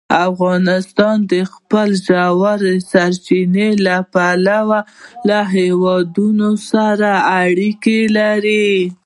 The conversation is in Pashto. افغانستان د خپلو ژورو سرچینو له پلوه له هېوادونو سره اړیکې لري.